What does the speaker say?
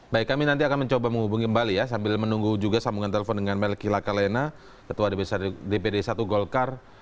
baik kami nanti akan mencoba menghubungi kembali ya sambil menunggu juga sambungan telepon dengan melki lakalena ketua dpd satu golkar